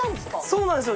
そうなんですよ。